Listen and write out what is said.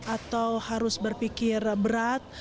atau harus berpikir berat